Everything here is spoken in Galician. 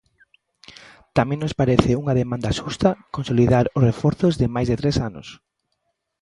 Tamén nos parece unha demanda xusta consolidar os reforzos de máis de tres anos.